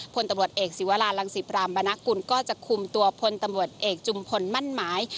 พลตำรวจเอกศิวรารังศิพรามบรรณกุลก็จะคุมตัวพลตำรวจเอกจุมพลมั่นหมาย